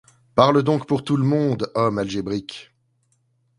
Parle donc pour tout le monde, homme algébrique!